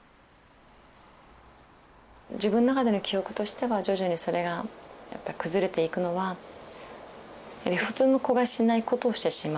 自分の中での記憶としては徐々にそれがやっぱり崩れていくのは普通の子がしないことをしてしまう。